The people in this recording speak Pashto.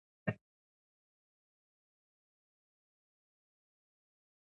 لوستې میندې د ماشومانو د بدن پاکولو وخت ټاکي.